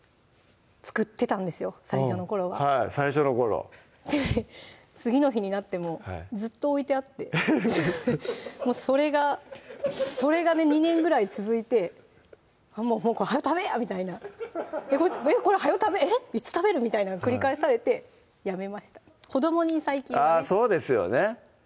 作ってたんですよ最初の頃は最初の頃次の日になってもずっと置いてあってそれがそれがね２年ぐらい続いて「もう早よ食べぇや」みたいな「早よ食べえっいつ食べるん？」みたいなん繰り返されてやめました子どもに最近はねそうですよね